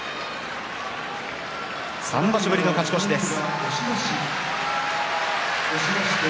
３場所ぶりの勝ち越しです。